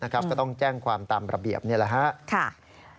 ก็ต้องแจ้งความตามระเบียบนี่แหละครับ